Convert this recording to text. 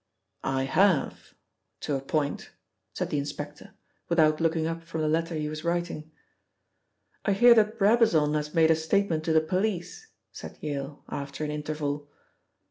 "I have to a point," said the inspector, without looking up from the letter he was writing. "I hear that Brabazon has made a statement to the police," said Yale, after an interval.